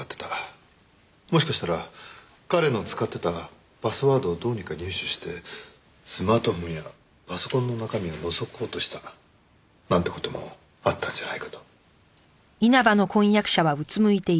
もしかしたら彼の使っていたパスワードをどうにか入手してスマートフォンやパソコンの中身をのぞこうとしたなんて事もあったんじゃないかと。